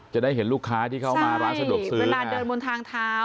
จะได้เห็นลูกค้าที่เข้ามาร้านสะดวกซื้อเวลาเดินบนทางเท้า